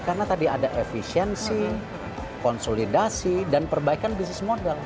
karena tadi ada efisiensi konsolidasi dan perbaikan bisnis modal